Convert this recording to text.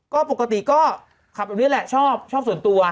ก็ปกติก็ขับแบบนี้แหละชอบส่วนตัว